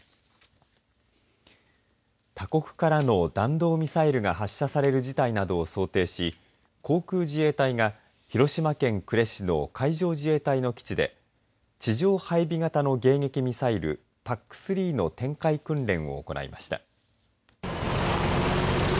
他国からの弾道ミサイルが発射される事態などを想定し航空自衛隊が広島県呉市の海上自衛隊の基地で地上配備型の迎撃ミサイルＰＡＣ３の展開訓練を行いました。